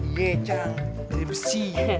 iye cang dari besi